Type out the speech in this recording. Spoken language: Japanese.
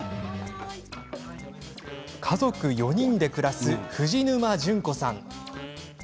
家族４人で暮らす藤沼純子さん。